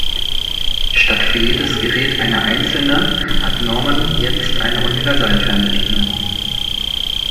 Statt für jedes Gerät eine einzelne hat Norman jetzt eine Universalfernbedienung.